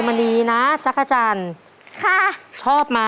ไปหน่อยเถอะ